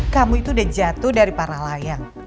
kamu itu udah jatuh dari para layang